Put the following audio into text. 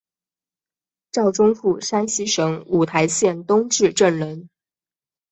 赵宗复山西省五台县东冶镇人。